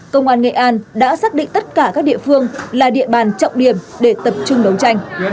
công an nghệ an đã xác định tất cả các địa phương là địa bàn trọng điểm để tập trung đấu tranh